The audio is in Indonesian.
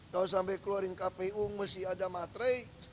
kalau sampai keluarin kpu mesti ada matre